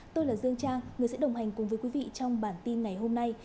tôi là dương trang người sẽ đồng hành cùng với quý vị trong bản tin ngày hôm nay